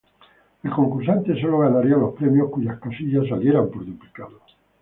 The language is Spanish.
El concursante sólo ganaría los premios cuyas casillas salieran por duplicado.